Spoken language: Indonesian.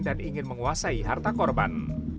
dan ingin menguasai harta korban